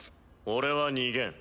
俺は逃げん。